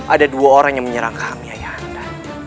ada dua orang yang menyerang kami ayah anda